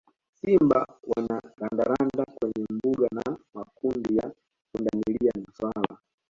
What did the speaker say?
Simba wana randaranda kwenye mbuga na makundi ya pundamilia na swala